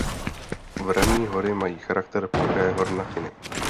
Vraní hory mají charakter ploché hornatiny.